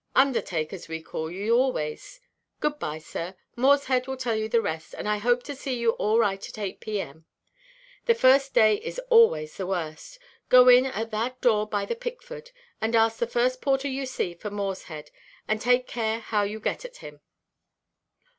'Undertakers,' we call you always. Good–bye, sir; Morshead will tell you the rest, and I hope to see you all right at eight P.M. The first day is always the worst. Go in at that door by the Pickford, and ask the first porter you see for Morshead, and take care how you get at him."